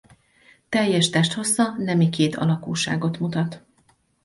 Teljes testhossza nemi kétalakúságot mutat.